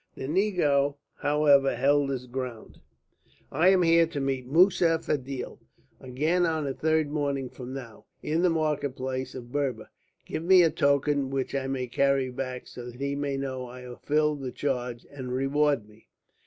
The negro, however, held his ground. "I am to meet Moussa Fedil again on the third morning from now, in the market place of Berber. Give me a token which I may carry back, so that he may know I have fulfilled the charge and reward me."